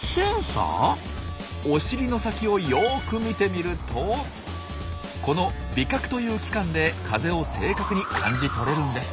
お尻の先をよく見てみるとこの「尾角」という器官で風を正確に感じ取れるんです。